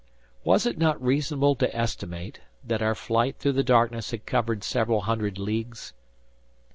Was it not reasonable to estimate, that our flight through the darkness had covered several hundred leagues?